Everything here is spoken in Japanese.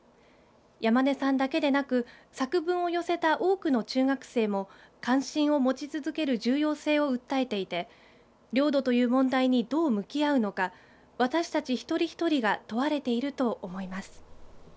山根さんだけでなく作文を寄せた多くの中学生も関心を持ち続ける重要性を訴えていて領土という問題にどう向き合うのか私たち一人一人が問われていると思います。